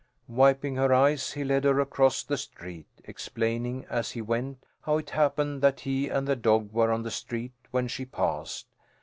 Wiping her eyes, he led her across the street, explaining as he went how it happened that he and the dog were on the street when she passed.